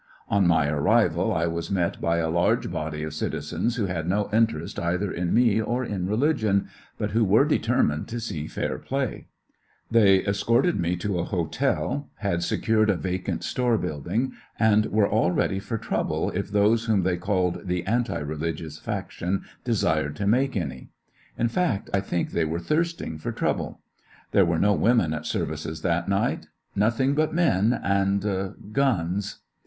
On my arrival I was met by a large body of citizens who had oo interest either in me or in religion, but who were determined to see fair play. They escorted me to a hotel, had secured a vacant store buildiugj and were all ready for trouble if those whom they called the anti religions faction desired to make any. In fact, I think they were thirsting for trouble There were no women at services that night j notMug but men— and "guns."